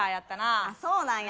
あそうなんや。